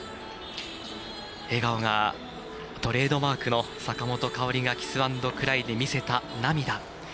笑顔がトレードマークの坂本花織がキスアンドクライで見せた涙。